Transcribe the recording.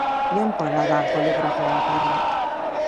Denbora da poligrafo bakarra.